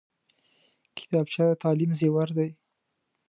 کتابچه د تعلیم زیور دی